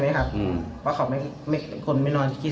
แล้วก็ไปจับมือเขาก็มี